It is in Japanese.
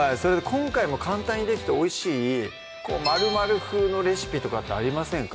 今回も簡単にできておいしい「○○風のレシピ」とかってありませんか？